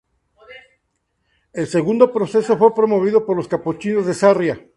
El segundo proceso fue promovido por los capuchinos de Sarriá.